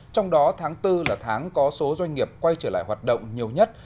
trong đó tháng bốn là tháng có số doanh nghiệp quay trở lại hoạt động nhiều nhất